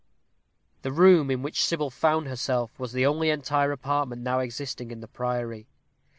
The room in which Sybil found herself was the only entire apartment now existing in the priory.